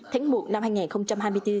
tháng một năm hai nghìn hai mươi bốn